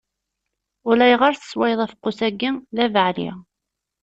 Ulayɣer tesswayeḍ afeqqus-agi, d abeɛli.